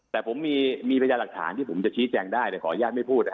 แต่ผมมีพยานหลักฐานที่ผมจะชี้แจงได้แต่ขออนุญาตไม่พูด